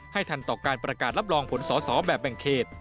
ทันต่อการประกาศรับรองผลสอสอแบบแบ่งเขต